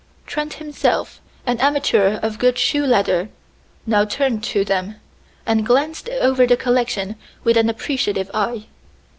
Trent, himself an amateur of good shoe leather, now turned to them, and glanced over the collection with an appreciative eye.